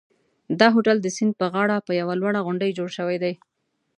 دا هوټل د سیند پر غاړه په یوه لوړه غونډۍ جوړ شوی دی.